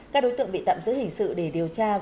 các đối tượng bị tạm giữ hình sự để điều tra